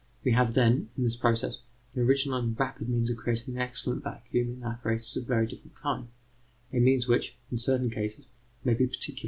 We have, then, in this process, an original and rapid means of creating an excellent vacuum in apparatus of very different kinds a means which, in certain cases, may be particularly convenient.